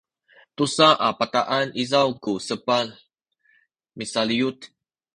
tusa a bataan izaw ku sepat misaliyut